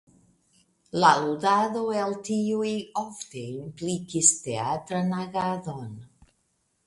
La ludado el tiuj ofte implikis teatran agadon.